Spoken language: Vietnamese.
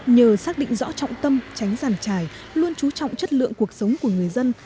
nhờ xác định rõ trọng tâm tránh giàn trải luôn trú trọng chất lượng cuộc sống của người dân